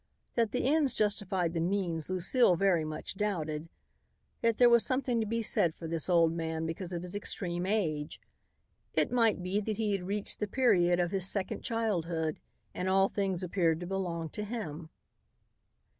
That the ends justified the means Lucile very much doubted, yet there was something to be said for this old man because of his extreme age. It might be that he had reached the period of his second childhood and all things appeared to belong to him.